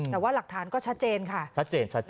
แต่ว่าหลักฐานก็ชัดเจนค่ะ